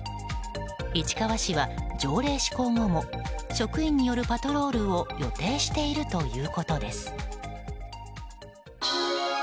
市川市は条例施行後も職員によるパトロールを予定しているということです。